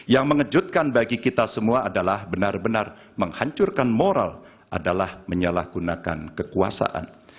yang mengejutkan bagi kita semua adalah benar benar menghancurkan moral adalah menyalahgunakan kekuasaan